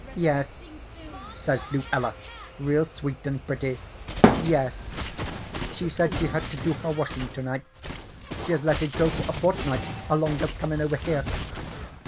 "'Yes,' says Luella, real sweet and pretty, 'yes, she said she had to do her washin' to night. She has let it go for a fortnight along of comin' over here.'